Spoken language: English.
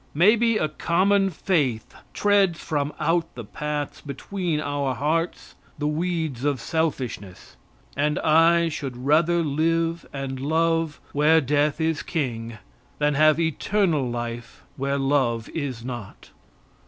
Maybe a common faith treads from out the paths between our hearts the weeds of selfishness, and I should rather live and love where death is king than have eternal life where love is not.